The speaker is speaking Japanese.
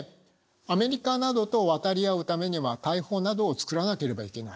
アメリカなどと渡り合うためには大砲などを作らなければいけない。